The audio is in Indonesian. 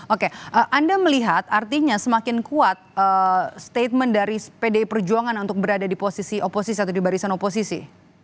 oke anda melihat artinya semakin kuat statement dari pdi perjuangan untuk berada di posisi oposisi atau di barisan oposisi